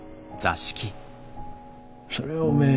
それはおめえ